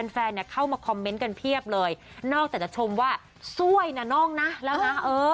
แฟนเนี่ยเข้ามาคอมเมนต์กันเพียบเลยนอกจากจะชมว่าสวยนะน่องนะแล้วนะ